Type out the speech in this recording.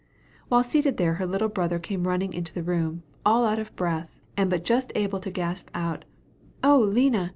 While seated there, her little brother came running into the room, all out of breath, and but just able to gasp out, "Oh, Lina!